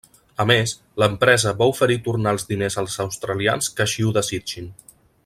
A més, l'empresa va oferir tornar els diners als australians que així ho desitgin.